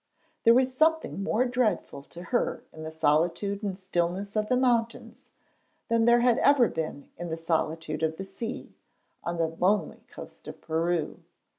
There was something more dreadful to her in the solitude and stillness of the mountains than there ever had been in the solitude of the sea, on the lonely coast of Peru.